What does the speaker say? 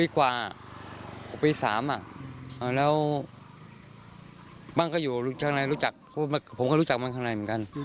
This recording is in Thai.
การตายของต้นแน่นอนไม่มีครับ